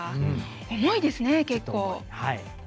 重いですね、結構。